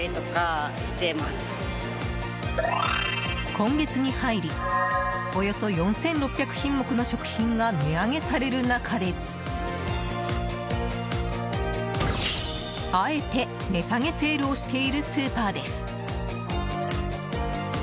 今月に入りおよそ４６００品目の食品が値上げされる中であえて値下げセールをしているスーパーです。